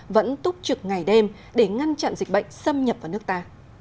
vẫn túc trực ngày đêm để ngăn chặn dịch bệnh xâm nhập vào nước ta